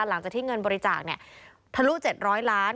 หลังจากที่เงินบริจาคทะลุ๗๐๐ล้าน